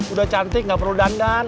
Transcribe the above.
udah cantik gak perlu dandan